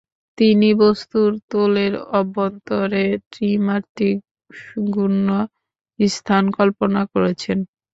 তিনি বস্তুর তোলের অভ্যন্তরে ত্রিমাত্রিক শুণ্য স্থান কল্পনা করেছেন।